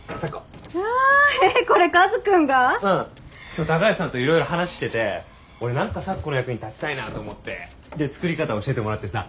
今日高橋さんといろいろ話してて俺何か咲子の役に立ちたいなと思ってで作り方教えてもらってさ。